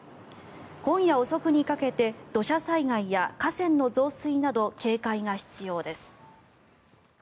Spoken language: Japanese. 今夜遅くにかけて土砂災害や河川の増水など警戒が必要です。